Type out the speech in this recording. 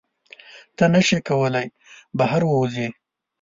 ته نشې کولی بهر ووځې.